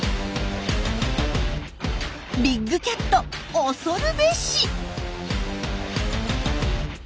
ビッグキャット恐るべし！